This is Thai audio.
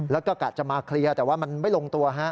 แล้วก็กะจะมาเคลียร์แต่ว่ามันไม่ลงตัวฮะ